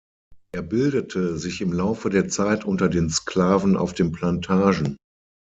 Er bildete sich im Laufe der Zeit unter den Sklaven auf den Plantagen.